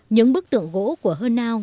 những bức tượng gỗ của hơn ao